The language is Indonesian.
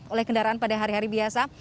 oleh kendaraan pada hari hari biasa